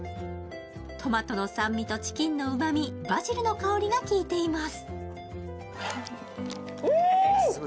トマトの酸味とチキンのうまみバジルの香りがきいています。